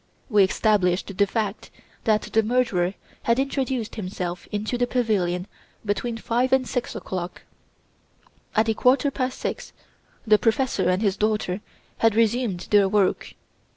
We established the fact that the murderer had introduced himself into the pavilion between five and six o'clock. At a quarter past six the professor and his daughter had resumed their work.